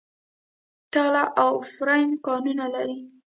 تاله او برفک کانونه لري؟